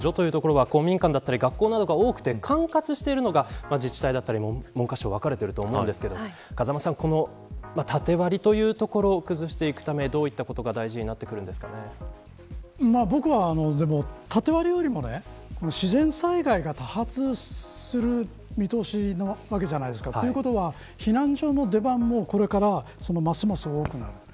そして避難所という所は公民館だったり学校などが多くて管轄しているのが自治体だったり文科省と分かれていると思うんですが風間さん、この縦割りというところを崩していくためにどういったことが大事に僕は、でも縦割りよりも自然災害が多発する見通しなわけじゃないですか。ということは、避難所の出番もこれから、ますます多くなる。